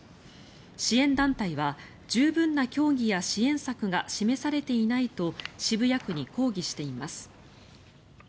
支援団体は、十分な協議や支援策が示されていないと渋谷区に抗議しています。